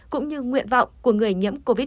cũng như nguyện vọng của người nhiễm covid một mươi